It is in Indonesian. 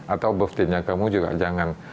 atau buktinya kamu juga jangan